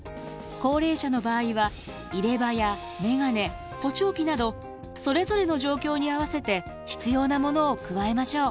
高齢者の場合は入れ歯やメガネ補聴器などそれぞれの状況に合わせて必要なものを加えましょう。